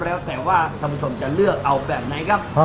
แล้วแต่ว่าท่านผู้ชมจะเลือกเอาแบบไหนครับ